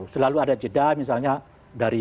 selalu ada jeda misalnya dari